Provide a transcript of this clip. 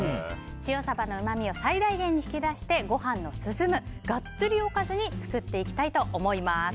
塩サバのうまみを最大限に引き出して、ご飯の進むガッツリおかずに作っていきたいと思います。